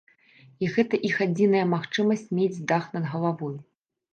І гэта іх адзіная магчымасць мець дах над галавой.